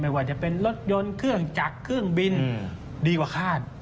ว่าจะเป็นรถยนต์เครื่องจักรเครื่องบินดีกว่าคาด